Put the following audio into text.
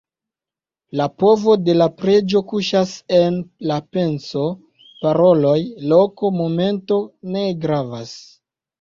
La povo de la preĝo kuŝas en la penso; paroloj, loko, momento ne gravas.